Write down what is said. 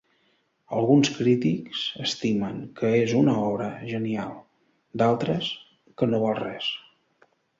Alguns crítics estimen que és una obra genial: d'altres, que no val res.